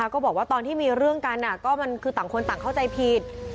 ก็บอกว่าตอนที่มีเรื่องกันก็มันคือต่างคนต่างเข้าใจผิด